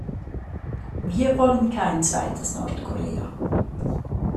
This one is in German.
Wir wollen kein zweites Nordkorea.